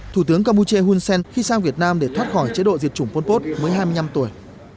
thủ tướng campuchia hun sen khi sang việt nam để thoát khỏi chế độ diệt chủng pol pot mới hai mươi năm tuổi